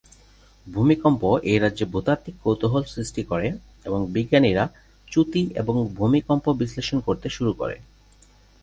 ভূমিকম্প, এই রাজ্যে ভূতাত্ত্বিক কৌতূহল সৃষ্টি করে-এবং বিজ্ঞানীরা চ্যুতি এবং ভূমিকম্প বিশ্লেষণ করতে শুরু করে।